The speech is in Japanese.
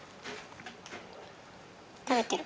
食べてる。